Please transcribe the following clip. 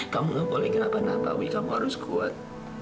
kamu nggak boleh kenapa napa wi kamu harus kuat